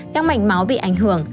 các mạch máu bị ảnh hưởng